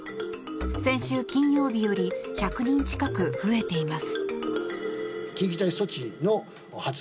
先週金曜日より１００人近く増えています。